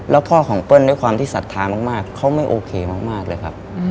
แล้วพ่อของเปิ้ลด้วยความที่ศรัทธามากเขาไม่โอเคมากเลยครับ